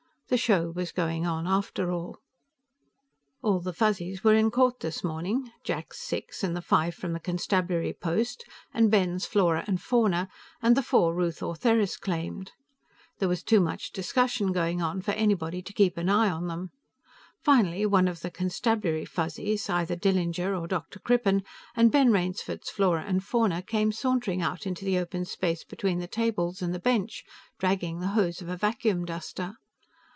The show was going on after all. All the Fuzzies were in court this morning; Jack's six, and the five from the constabulary post, and Ben's Flora and Fauna, and the four Ruth Ortheris claimed. There was too much discussion going on for anybody to keep an eye on them. Finally one of the constabulary Fuzzies, either Dillinger or Dr. Crippen, and Ben Rainsford's Flora and Fauna, came sauntering out into the open space between the tables and the bench dragging the hose of a vacuum duster.